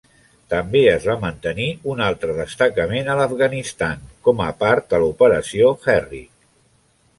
També es va mantenir un altre destacament a l'Afganistan, com a part de l'Operació Herrick.